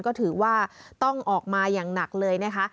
ก็ถือว่าต้องออกมาอย่างหนักเลยนะคะ